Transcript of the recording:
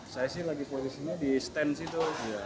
saya sih lagi posisinya di stand situ